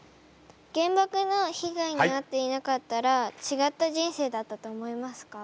原爆の被害にあっていなかったらちがった人生だったと思いますか？